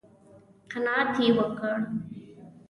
_قناعت يې وکړ؟